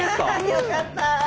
よかった。